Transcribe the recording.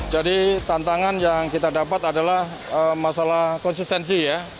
jadi tantangan yang kita dapat adalah masalah konsistensi ya